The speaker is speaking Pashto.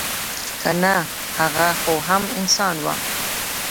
که نه هغه خو هم انسان وه.